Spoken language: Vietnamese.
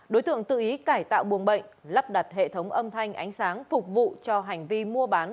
đối tượng tự ý cải tạo buồng bệnh lắp đặt hệ thống âm thanh ánh sáng phục vụ cho hành vi mua bán